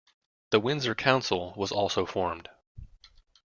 The Windsor Council was also formed.